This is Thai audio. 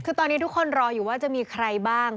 คือตอนนี้ทุกคนรออยู่ว่าจะมีใครบ้าง